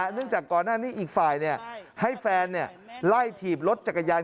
จากก่อนหน้านี้อีกฝ่ายให้แฟนไล่ถีบรถจักรยาน